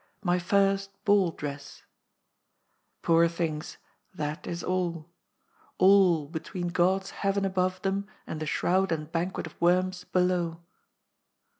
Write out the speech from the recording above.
." My first ball dress !" Poor things, that is all. All, between God's Heaven. above them and the shroud and banquet of worms below.